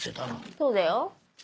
そうだよ。